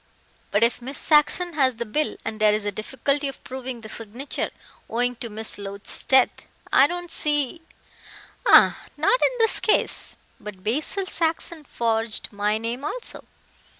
"But if Miss Saxon has the bill, and there is a difficulty of proving the signature, owing to Miss Loach's death, I don't see " "Ah, not in this case. But Basil Saxon forged my name also.